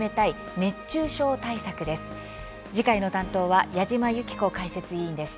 次回の担当は矢島ゆき子解説委員です。